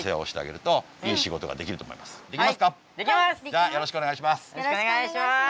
じゃあよろしくおねがいします。